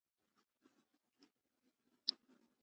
لا ساقی نوی راغلی، لا رندان نوی گرمیږی